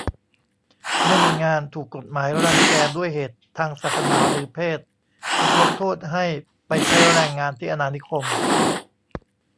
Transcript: ไม่มีงาน ถูกกฎหมายรังแกด้วยเหตุทางศาสนาหรือเพศ ถูกลงโทษให้ไปใช้แรงงานที่อาณานิคม